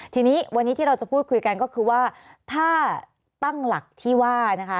ทีนี้วันนี้ที่เราจะพูดคุยกันก็คือว่าถ้าตั้งหลักที่ว่านะคะ